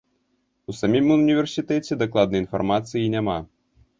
У самім універсітэце дакладнай інфармацыі няма.